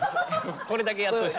これだけやってほしい。